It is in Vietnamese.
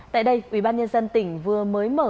tại đây ubnd tỉnh vừa mới mở